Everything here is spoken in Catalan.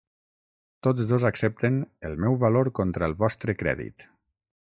Tots dos accepten "El meu valor contra el vostre crèdit".